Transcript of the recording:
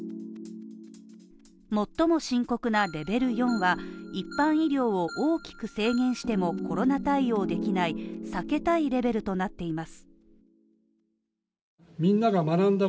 最も深刻なレベル４は一般医療を大きく制限してもコロナ対応できない避けたいレベルとなっています。